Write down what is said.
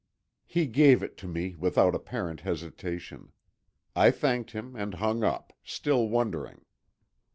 He gave it to me without apparent hesitation. I thanked him and hung up, still wondering.